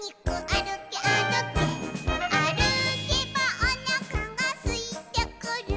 「あるけばおなかがすいてくる」